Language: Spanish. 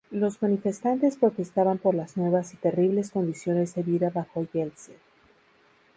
Los manifestantes protestaban por las nuevas y terribles condiciones de vida bajo Yeltsin.